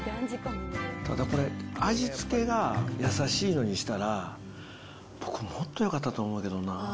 ただこれ、味付けが優しいのにしたら、僕もっとよかったと思うけどな。